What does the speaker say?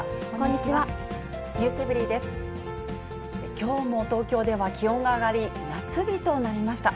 きょうも東京では気温が上がり、夏日となりました。